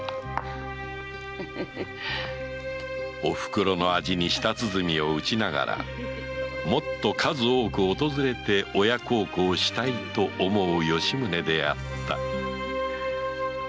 おふくろの味に舌鼓を打ちながらもっと数多く訪れて親孝行したいと思う吉宗であった